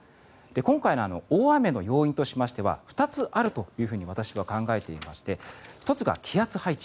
今回の大雨の要因としては２つあると私は考えていまして１つが気圧配置。